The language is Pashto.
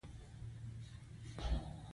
مسلمانو مشرانو سره هیلي پیدا کړې.